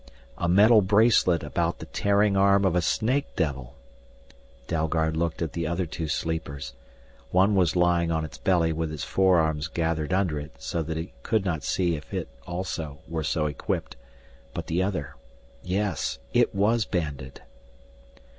A metal bracelet about the tearing arm of a snake devil! Dalgard looked at the other two sleepers. One was lying on its belly with its forearms gathered under it so that he could not see if it, also, were so equipped. But the other yes, it was banded!